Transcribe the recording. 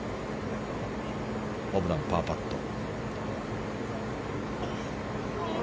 ホブラン、パーパット。